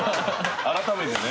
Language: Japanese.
改めてね。